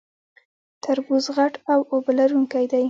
تربوز غټ او اوبه لرونکی دی